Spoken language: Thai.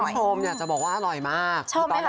คุณผู้ชมอยากจะบอกว่าอร่อยมากชอบไหมคะ